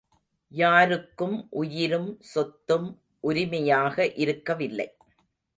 யாருக்கும் உயிரும் சொத்தும் உரிமையாக இருக்கவில்லை.